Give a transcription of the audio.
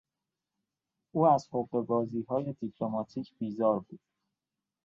او از حقهبازیهای دیپلماتیک بیزار بود.